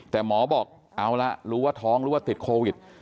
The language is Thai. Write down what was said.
แต่หมอบอกเอาละรู้ว่าท้องหรือว่าติดโควิด